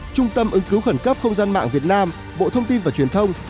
trung tâm ứng cứu khẩn cấp không gian mạng việt nam bộ thông tin và truyền thông